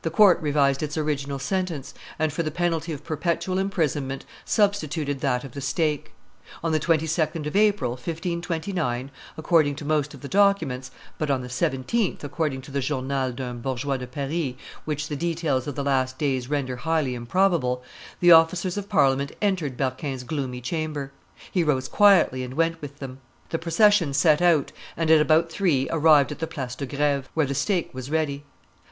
court revised its original sentence, and for the penalty of perpetual imprisonment substituted that of the stake. On the 22d of April, 1529, according to most of the documents, but on the 17th, according to the Journal d'un Bourgeois de Paris, which the details of the last days render highly improbable, the officers of Parliament entered Berquin's gloomy chamber. He rose quietly and went with them; the procession set out, and at about three arrived at the Place de Greve; where the stake was ready.